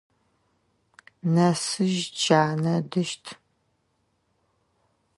Нэсыж джанэ ыдыщт.